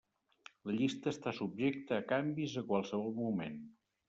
La llista està subjecta a canvis a qualsevol moment.